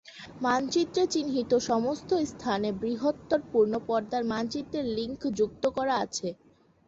মানচিত্রে চিহ্নিত সমস্ত স্থানে বৃহত্তর পূর্ণ পর্দার মানচিত্রের লিঙ্ক যুক্ত করা আছে।